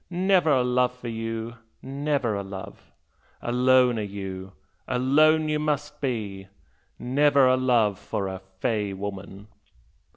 Never a love for you never a love! Alone you are, alone you must be! Never a love for a "fey" woman!'